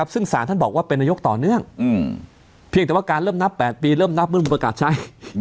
ซึ่งสารท่านบอกว่าเป็นนายกต่อเนื่องเพียงแต่ว่าการเริ่มนับ๘ปีเริ่มนับเมื่อมีประกาศใช้